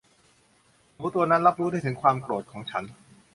หนูตัวนั้นรับรู้ได้ถึงความโกรธของฉัน